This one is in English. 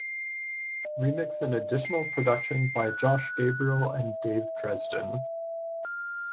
Remix and additional production by Josh Gabriel and Dave Dresden.